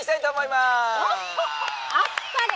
「あっぱれ！」。